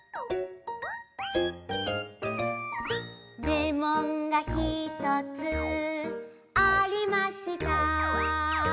「レモンがひとつありました」